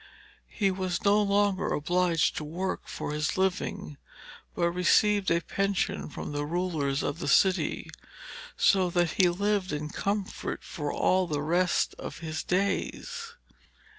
He was no longer obliged to work for his living, but received a pension from the rulers of the city, so that he lived in comfort all the rest of his days.